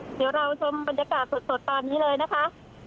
เดี๋ยวเราชมบรรยากาศสดตอนนี้เลยนะคะ